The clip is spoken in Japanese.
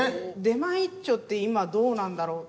出前一丁って今どうなんだろう。